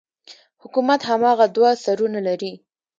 حکومت هماغه دوه سرونه لري.